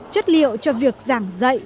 chất liệu cho việc giảng dạy